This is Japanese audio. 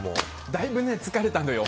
だいぶ疲れたのよ。